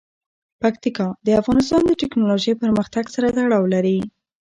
پکتیکا د افغانستان د تکنالوژۍ پرمختګ سره تړاو لري.